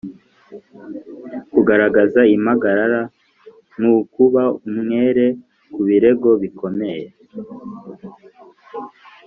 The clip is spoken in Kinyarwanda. kugaragaza imbaraga n’ukuba umwere ku birego bikomeye.